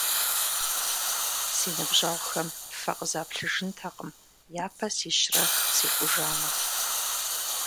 Си ныбжьэгъухэм фэ къызаплъыжынтэкъым, япэ сищрэ секӀужамэ.